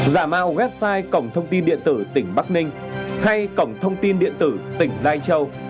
giả mạo website cổng thông tin điện tử tỉnh bắc ninh hay cổng thông tin điện tử tỉnh lai châu